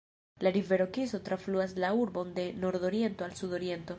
La rivero Kiso trafluas la urbon de nordoriento al sudoriento.